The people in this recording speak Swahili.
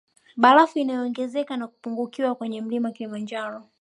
Barafu inaongezeka na kupungukiwa kwenye mlima kilimanjaro